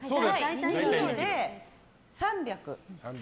２ｋｇで３００。